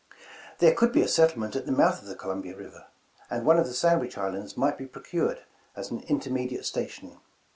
There could be a settlement at the mouth of the Co lumbia River, and one of the Sandwich Islands might be procured as an intermediate station.